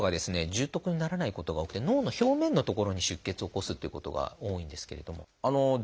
重篤にならないことが多くて脳の表面の所に出血を起こすっていうことが多いんですけれども。